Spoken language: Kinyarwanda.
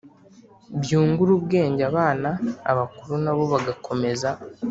byungura ubwenge abana, abakuru na bo bagakomeza